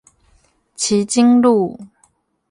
旗津路